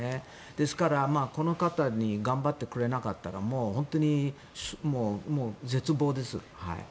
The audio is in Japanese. ですから、この方が頑張ってくれなかったらもう本当に絶望です。